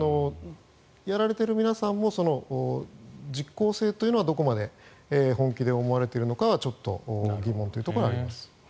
やられている皆さんも実効性というのはどこまで本気で思われているのかはちょっと疑問というところはあります。